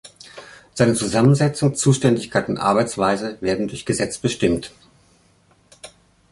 Seine Zusammensetzung, Zuständigkeit und Arbeitsweise werden durch Gesetz bestimmt.